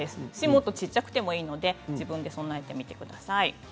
もっと小さくてもいいので自分で備えてみてください。